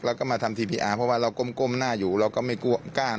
แล้วก็มาทำทีพีอาร์เพราะว่าเราก้มหน้าอยู่เราก็ไม่กล้า